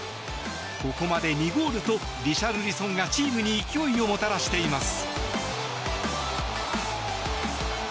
ここまで２ゴールとリシャルリソンがチームに勢いをもたらしています。